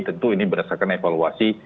tentu ini berdasarkan evaluasi